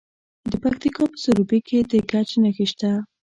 د پکتیکا په سروبي کې د ګچ نښې شته.